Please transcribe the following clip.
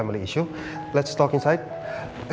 mari kita berbicara di dalam